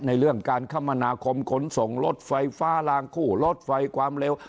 เรื่องการคมนาคมขนส่งรถไฟฟ้าลางคู่รถไฟความเร็ว